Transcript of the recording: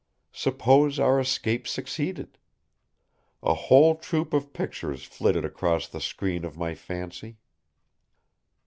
Suppose our escape succeeded? A whole troup of pictures flitted across the screen of my fancy.